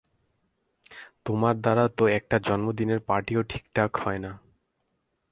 তোমার দ্বারা তো একটা জন্মদিনের পার্টি ও ঠিকঠাক হয় না।